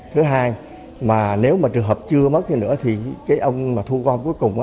thứ hai mà nếu mà trường hợp chưa mất thì ông mà thu gom cuối cùng